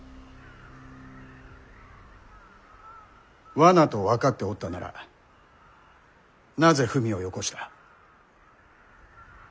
罠と分かっておったならなぜ文をよこした？